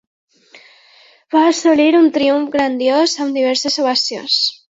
Va assolir un triomf grandiós amb diverses ovacions.